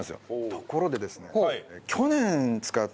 ところでですね。